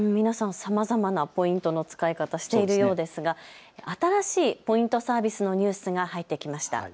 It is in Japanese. さまざまなポイントの使い方しているようですが新しいポイントサービスのニュースが入ってきました。